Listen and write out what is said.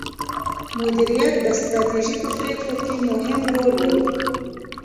مديريت د ستراتیژۍ په پریکړو کې مهم رول لري.